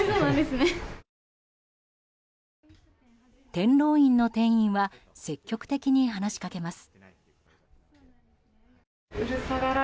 天狼院の店員は積極的に話しかけます。